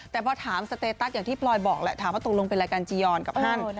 แต่พอถามสเตตัสอย่างที่พลอยบอกแหละถามว่าตกลงเป็นรายการจียอนกับท่าน